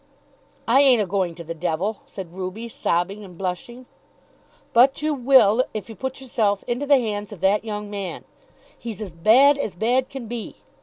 "I ain't a going to the devil," said Ruby, sobbing and blushing. "But you will, if you put yourself into the hands of that young man. He's as bad as bad can be.